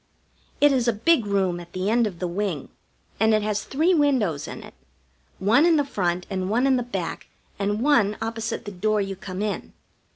It is a big room at the end of the wing, and it has three windows in it: one in the front and one in the back and one opposite the door you come in.